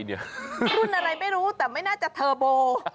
รุ่นอะไรไม่รู้แต่ไม่น่าจะเทอร์โบ